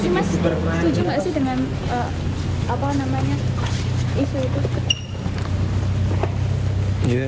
mas setuju nggak sih dengan isu itu